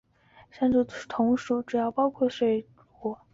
山竹同属的主要水果包括钮扣山竹。